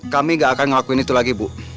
kami gak akan ngelakuin itu lagi bu